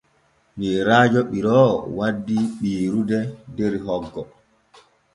Yeerajo ɓiroowo wandi ɓiirude der hoggo.